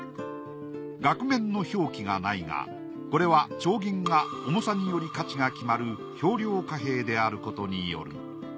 額面の表記がないがこれは丁銀が重さにより価値が決まる秤量貨幣であることによる。